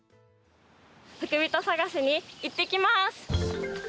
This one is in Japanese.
ふくびと探しに行ってきます！